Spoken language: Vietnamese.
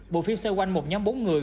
bộ phim xoay quanh một nhóm bốn người